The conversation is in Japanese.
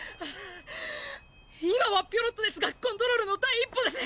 今はピョロッとですがコントロールの第一歩です。